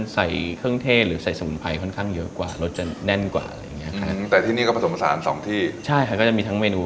พูดถึงอาหารภาคเหนือกับภาคกลางมันแตกต่างอย่างไรครับ